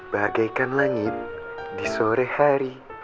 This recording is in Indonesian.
bagaikan langit di sore hari